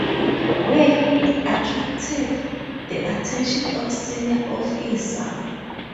Where he attracted the attention of senior officers.